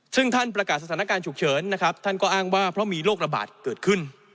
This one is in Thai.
ซึ่งท่านประกาศสถานการณ์ฉุกเฉินนะครับท่านก็อ้างว่าเพราะมีโรคระบาดเกิดขึ้น